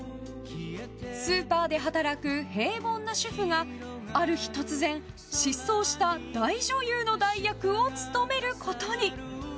スーパーで働く平凡な主婦がある日突然、失踪した大女優の代役を務めることに。